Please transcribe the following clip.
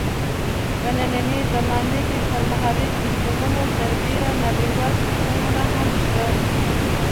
په نننۍ زمانه کې پر محلي سیسټمونو سربېره نړیوال سیسټمونه هم شته.